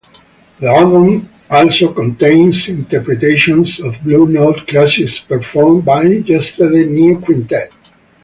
The album also contains interpretations of Blue Note classics performed by Yesterdays New Quintet.